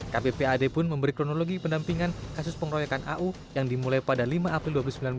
kppad pun memberi kronologi pendampingan kasus pengeroyokan au yang dimulai pada lima april dua ribu sembilan belas